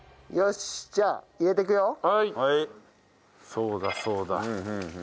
そうだそうだ。